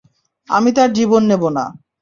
আমি তার জীবন নেব না।